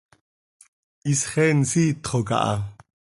Isxeen siitxo caha.